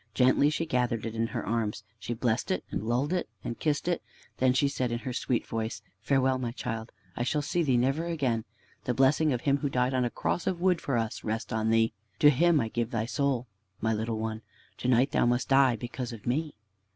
Gently she gathered it in her arms. She blessed it, and lulled it, and kissed it. Then she said in her sweet voice: "Farewell, my child, I shall see thee never again. The blessing of Him who died on a cross of wood for us, rest on thee. To Him I give thy soul, my little one! To night thou must die because of me."